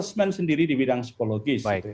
asesmen sendiri di bidang psikologis